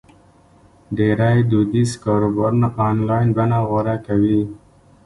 ډېری دودیز کاروبارونه آنلاین بڼه غوره کوي.